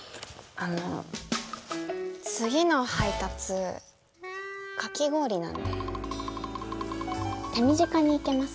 あの次の配達かき氷なんで手短にいけます？